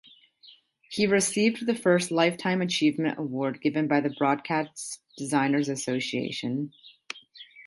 He received the first Lifetime Achievement Award given by the Broadcast Designers Association.